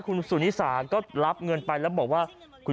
คุณสุนิสาก็รับเงินไปแล้วบอกว่า